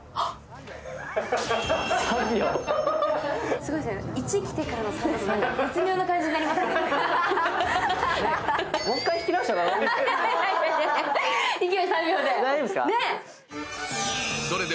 すごいですね、１来てからの３、絶妙な感じになりましたね。